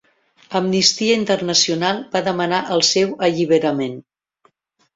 Amnistia Internacional va demanar el seu alliberament.